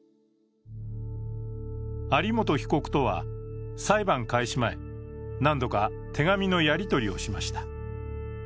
有本被告とは、裁判開始前何度か手紙のやりとりをしました。